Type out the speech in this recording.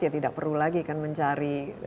ya tidak perlu lagi kan mencari